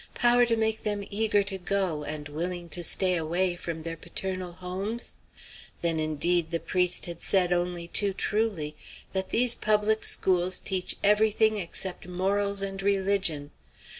Power to make them eager to go, and willing to stay away, from their paternal homes? Then indeed the priest had said only too truly, that these public schools teach every thing except morals and religion!